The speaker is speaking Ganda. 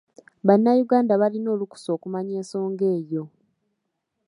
Bannayuganda balina olukusa okumanya ensonga eyo.